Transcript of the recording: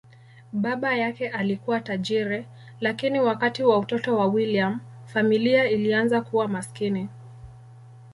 Baba yake alikuwa tajiri, lakini wakati wa utoto wa William, familia ilianza kuwa maskini.